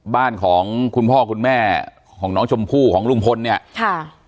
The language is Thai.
บ้านของคุณพ่อคุณแม่ของน้องชมพู่ของลุงพลเนี่ยค่ะ